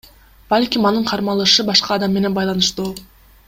Балким, анын кармалышы башка адам менен байланыштуу.